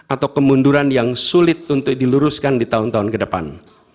atau kemunduran yang sulit untuk diluruskan di tahun tahun ke depan